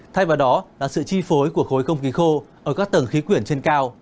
thay vào đó là sự chi phối của khối không khí khô ở các tầng khí quyển trên cao